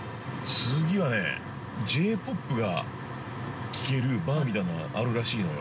次はね、Ｊ−ポップが聞けるバーみたいなあるらしいのよ。